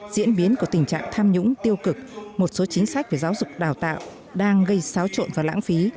diễn biến của tình trạng tham nhũng tiêu cực một số chính sách về giáo dục đào tạo đang gây xáo trộn và lãng phí